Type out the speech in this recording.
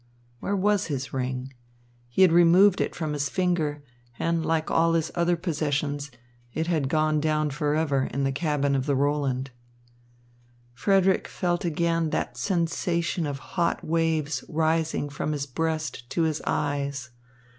Where was his ring? He had removed it from his finger, and, like all his other possessions, it had gone down forever in the cabin of the Roland. Frederick again felt that sensation of hot waves rising from his breast to his eyes.